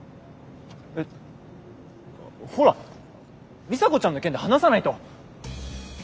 えっほら里紗子ちゃんの件で話さないと。